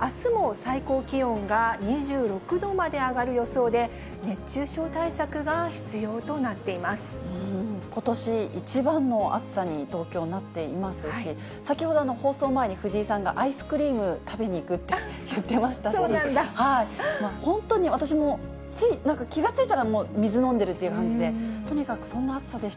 あすも最高気温が２６度まで上がる予想で、熱中症対策が必要となことし一番の暑さに東京、なっていますし、先ほど、放送前に藤井さんがアイスクリーム食べに行くって言ってましたし、本当に私もついなんか、気が付いたら水飲んでいるという感じで、とにかくそんな暑さでし